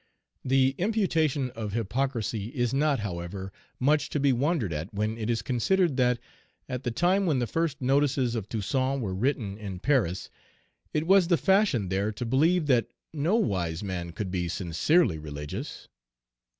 The imputation of hypocrisy is not, however, much to be wondered at when it is considered that, at the time when the first notices of Toussaint were written in Paris, it was the fashion there to believe that no wise man could be sincerely religious.